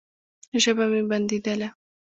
ژبه مې بنديدله.